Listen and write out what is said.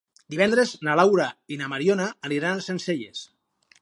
Divendres na Laura i na Mariona aniran a Sencelles.